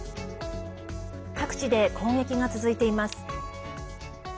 各地で攻撃が続いています。